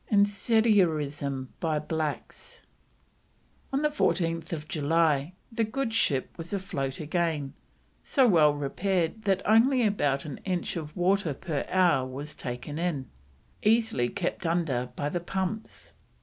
INCENDIARISM BY BLACKS. On 4th July the good ship was afloat again, so well repaired that only about an inch of water per hour was taken in, easily kept under by the pumps.